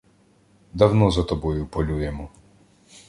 Давно за тобою полюємо.